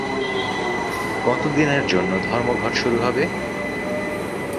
কতদিনের জন্য ধর্মঘট শুরু হবে?